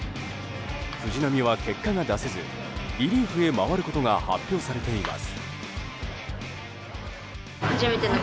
藤浪は結果が出せずリリーフへ回ることが発表されています。